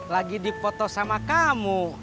lagi dipoto sama kamu